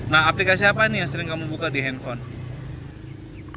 nah aplikasi apa nih yang sering kamu buka di handphone